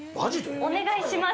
お願いします。